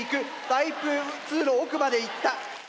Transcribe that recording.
タイプ２の奥までいった。